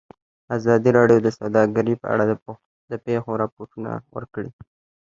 ازادي راډیو د سوداګري په اړه د پېښو رپوټونه ورکړي.